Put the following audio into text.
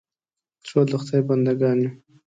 ټول د خدای بندهګان یو.